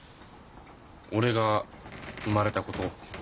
俺が生まれたこと。